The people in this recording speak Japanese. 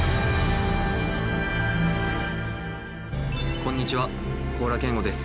こんにちは高良健吾です。